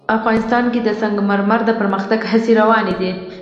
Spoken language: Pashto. افغانستان کې د سنگ مرمر د پرمختګ هڅې روانې دي.